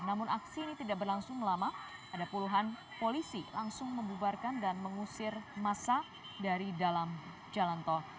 namun aksi ini tidak berlangsung lama ada puluhan polisi langsung membubarkan dan mengusir massa dari dalam jalan tol